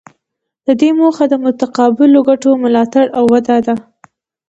د دې موخه د متقابلو ګټو ملاتړ او وده ده